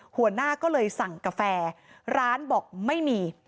หัวหน้าก็เลยสั่งกาแฟร้านบอกไม่มี